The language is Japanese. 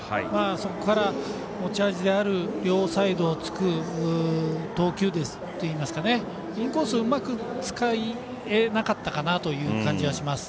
そこから持ち味である両サイドをつく投球といいますかインコースをうまく使えなかったかなという感じはします。